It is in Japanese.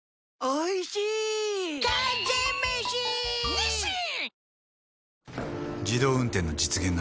ニッシン！